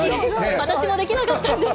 私もできなかったです。